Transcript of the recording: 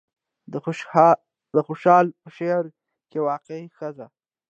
د خوشال په شاعرۍ کې واقعي ښځه